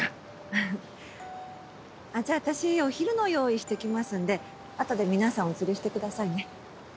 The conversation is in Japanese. フフあっじゃあ私お昼の用意して来ますんであとで皆さんお連れしてくださいね。